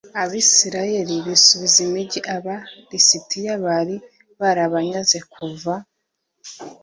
abisirayeli bisubiza imigi aba lisitiya bari barabanyaze kuva